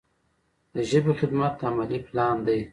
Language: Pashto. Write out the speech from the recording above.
د ژبې خدمت عملي پلان دی.